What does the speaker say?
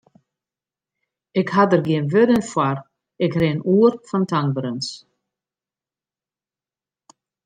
Ik ha der gjin wurden foar, ik rin oer fan tankberens.